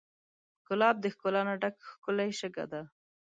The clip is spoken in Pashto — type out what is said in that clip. ګلاب د ښکلا نه ډک ښکلی شګه دی.